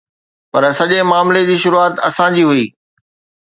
پر سڄي معاملي جي شروعات اسان جي هئي.